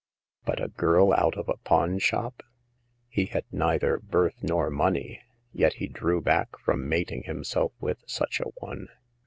But a girl out of a pawn shop ! He had neither birth nor money, yet he drew back from mating himself with such a one.